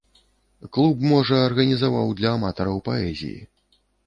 Клуб, можа, арганізаваў для аматараў паэзіі.